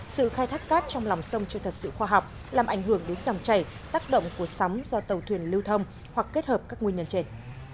sự khai thác cát trong lòng sông chưa thật sự khoa học làm ảnh hưởng đến dòng chảy tác động của sắm do tàu thuyền lưu thông hoặc kết hợp các nguyên nhân trên